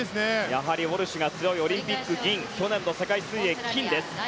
やはりウォルシュが強いオリンピック、銀去年の世界水泳、金です。